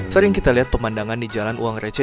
sering kita lihat pemandangan di jalan uang receh